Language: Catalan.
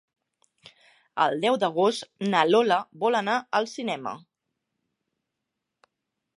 El deu d'agost na Lola vol anar al cinema.